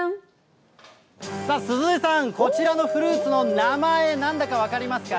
さあ、鈴江さん、こちらのフルーツの名前、なんだか分かりますか？